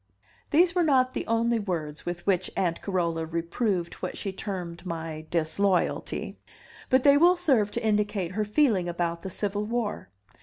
These were not the only words with which Aunt Carola reproved what she termed my "disloyalty," but they will serve to indicate her feeling about the Civil War.